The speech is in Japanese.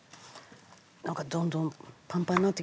なんかどんどんパンパンになってきましたよ。